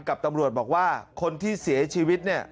กับตำรวจบอกว่าคนที่เสียชีวิตเนี่ย